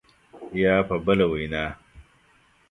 یا په بله وینا